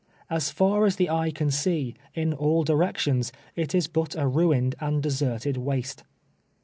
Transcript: As far as the eye can see, in all directions, it is but a ruined and deserted waste.